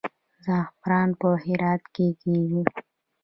زعفران په هرات کې کیږي